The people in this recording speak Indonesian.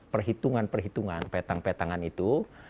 perhitungan perhitungan petang petangan itu